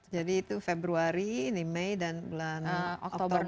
jadi itu februari ini mei dan bulan oktober